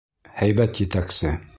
«Һәйбәт етәксе...»